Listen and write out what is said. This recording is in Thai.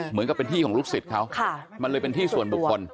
เหมือนกับเป็นที่ของลูกศิษย์เขามันเลยเป็นที่ส่วนบุคคล